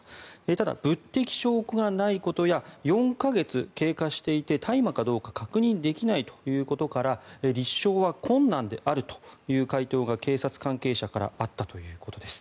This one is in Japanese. ただ、物的証拠がないことや４か月経過していて大麻かどうか確認できないということから立証は困難であるという回答が警察関係者からあったということです。